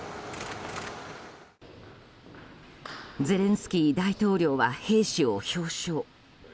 ゼレンスキー大統領は兵士を表彰。